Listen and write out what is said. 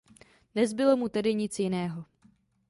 Nezbylo mu tedy nic jiného.